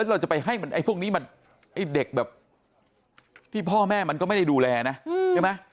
แล้วเราจะไปให้พวกนี้ไอ้เด็กแบบที่พ่อแม่มันก็ไม่ได้ดูแลนะใช่ไหม